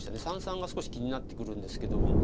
三々が少し気になってくるんですけど。